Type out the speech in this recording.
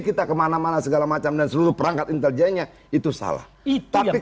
kita kemana mana segala macam dan seluruh perangkat intelijennya itu salah tapi